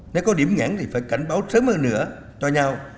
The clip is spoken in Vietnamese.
nếu có điểm ngẽn thì phải cảnh báo sớm hơn nữa cho nhau